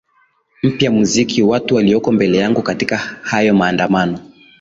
mpya muziki watu walioko mbele yangu katika haya maandamano